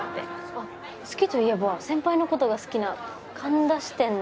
あっ好きといえば先輩のことが好きな神田支店の。